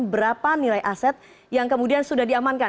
berapa nilai aset yang kemudian sudah diamankan